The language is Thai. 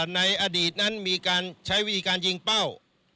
ในอดีตนั้นมีการใช้วิธีการยิงเป้า